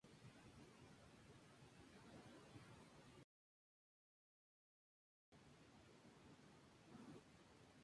Bajo su viaducto se han instalado numerosas "villas de emergencia".